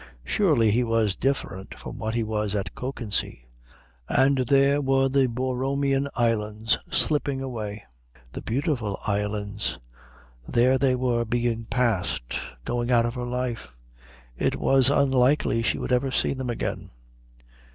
Surely he was different from what he was at Kökensee! And there were the Borromean Islands slipping away, the beautiful islands; there they were being passed, going out of her life; it was unlikely she would ever see them again....